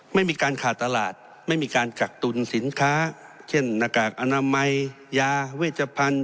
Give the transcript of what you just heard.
ไม่มีการขาดตลาดไม่มีการกักตุลสินค้าเช่นหน้ากากอนามัยยาเวชพันธุ์